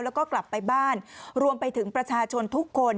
แล้วก็กลับไปบ้านรวมไปถึงประชาชนทุกคน